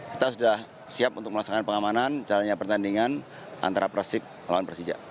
kita sudah siap untuk melaksanakan pengamanan jalannya pertandingan antara persib melawan persija